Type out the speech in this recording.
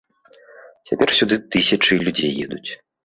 Цяпер сюды тысячы людзей едуць.